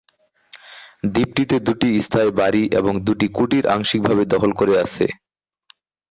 দ্বীপটিতে দুটি স্থায়ী বাড়ি এবং দুটি কুটির আংশিকভাবে দখল করে আছে।